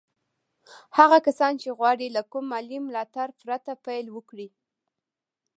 هغه کسان چې غواړي له کوم مالي ملاتړ پرته پيل وکړي.